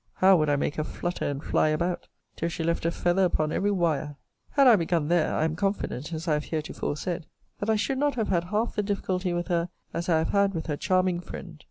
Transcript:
how would I make her flutter and fly about! till she left a feather upon every wire! Had I begun there, I am confident, as I have heretofore said,* that I should not have had half the difficulty with her as I have had with her charming friend.